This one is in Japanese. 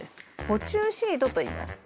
捕虫シートといいます。